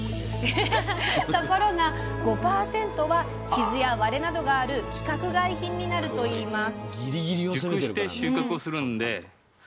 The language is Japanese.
ところが５％は傷や割れなどがある規格外品になるといいます。